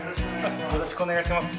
よろしくお願いします。